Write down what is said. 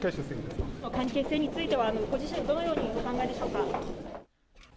関係性についてはご自身、どのようにお考えでしょうか。